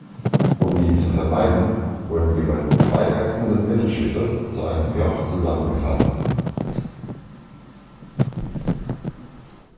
Um dies zu vermeiden, wurden jeweils zwei Achsen des Mittelschiffes zu einem Joch zusammengefasst.